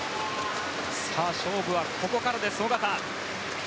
勝負はここからです、小方。